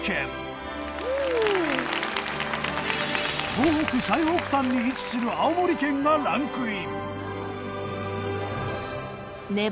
東北最北端に位置する青森県がランクイン。